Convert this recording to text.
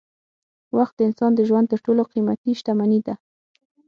وخت د انسان د ژوند تر ټولو قېمتي شتمني ده.